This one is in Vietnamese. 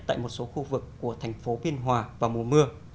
tại một số khu vực của thành phố biên hòa vào mùa mưa